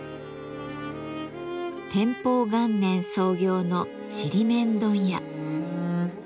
天保元年創業のちりめん問屋。